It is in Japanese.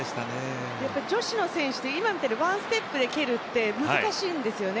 女子の選手って今みたいにワンステップで蹴るって難しいんですよね。